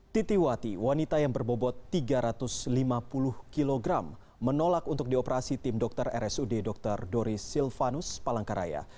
titi wati wanita yang berbobot tiga ratus lima puluh kg menolak untuk dioperasi tim dokter rsud dr doris silvanus palangkaraya